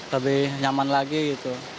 lebih nyaman lagi gitu